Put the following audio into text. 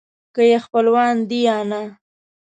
که یې خپلوان دي یا نه.